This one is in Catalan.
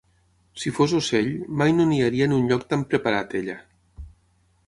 Si fos ocell, mai no niaria en un lloc tan preparat, ella.